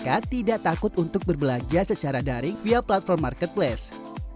tetap mendorong masyarakat tidak takut untuk berbelanja secara daring via platform marketplace